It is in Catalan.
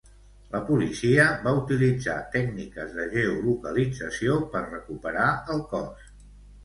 La policia va utilitzar tècniques de geolocalització per recuperar el cos.